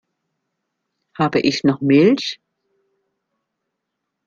Habe ich noch Milch?